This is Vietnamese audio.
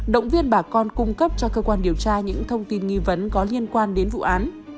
động viên bà con cung cấp cho cơ quan điều tra những thông tin nghi vấn có liên quan đến vụ án